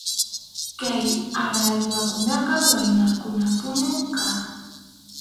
Kay arariwakunaqa waynakunapunim kaq.